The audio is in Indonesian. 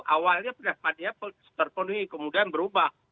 awalnya pendapatnya terpenuhi kemudian berubah